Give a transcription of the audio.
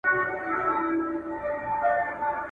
په خوب ليدلو کي د درواغ ويل حرام دي.